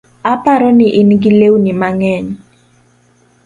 Aparo ni ingi lewni mang'eny